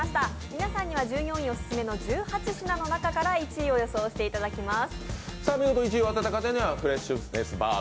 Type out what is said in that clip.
皆さんには従業員オススメの１８品の中から１位を予想していただきます。